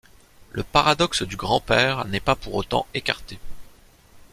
Le paradoxe du grand-père n'est pas pour autant écarté.